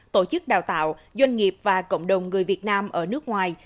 tổ chức đào tạo doanh nghiệp và cộng đồng người việt nam ở nước ngoài